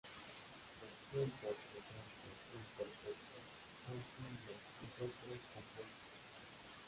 Los tiempos presente e imperfecto son simples; los otros, compuestos.